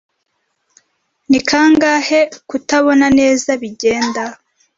Ni kangahe kutabona neza bigenda